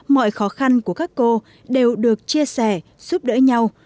mọi khó khăn của các cô đều được chia sẻ giúp đỡ nhau